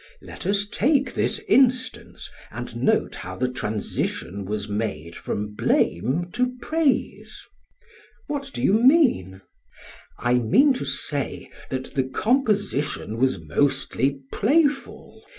SOCRATES: Let us take this instance and note how the transition was made from blame to praise. PHAEDRUS: What do you mean? SOCRATES: I mean to say that the composition was mostly playful.